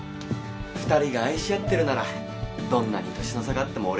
２人が愛し合ってるならどんなに年の差があっても俺は応援するぞ。